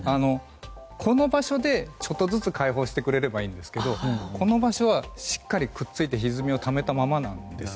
中の場所でちょっとずつ開放してくれればいいですがこの場所は、しっかりくっついてひずみをためたままなんです。